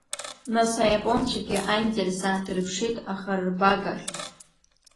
Нас аиапонцәагьы аинтерес аадырԥшит ахарарбага ахь.